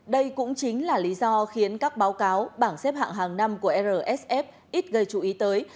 đây cũng chính là lý do khiến các báo cáo bảng xếp hạng hàng năm của rsf ít gây chú ý tới